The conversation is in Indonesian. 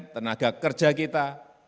tenaga kerja kita